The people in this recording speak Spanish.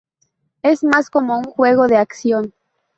Es más como un juego de acción.